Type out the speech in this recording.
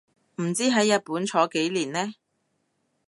唔知喺日本坐幾年呢